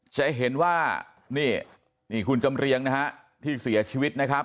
จะเห็นว่านี่นี่คุณจำเรียงนะฮะที่เสียชีวิตนะครับ